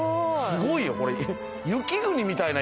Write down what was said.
すごいよこれ。